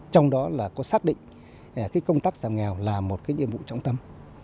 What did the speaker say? trong đó có xác định công tác giảm nghèo là một nhiệm vụ trọng tâm